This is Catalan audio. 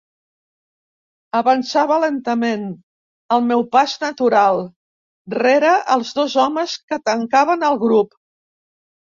Avançava lentament, al meu pas natural, rere els dos homes que tancaven el grup.